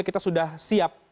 kita sudah siap